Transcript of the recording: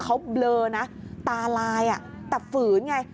เขาเบลอนะตาลายแต่ฝืนไง